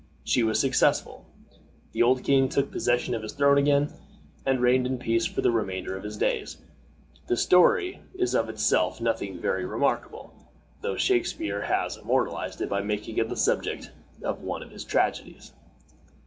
She was successful. The old king took possession of his throne again, and reigned in peace for the remainder of his days. The story is of itself nothing very remarkable, though Shakspeare has immortalized it by making it the subject of one of his tragedies.